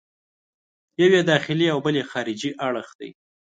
یو یې داخلي او بل یې خارجي اړخ دی.